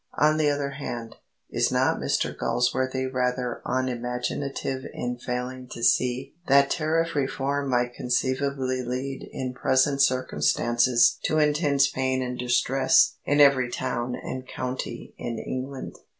On the other hand, is not Mr Galsworthy rather unimaginative in failing to see that Tariff Reform might conceivably lead in present circumstances to intense pain and distress in every town and county in England?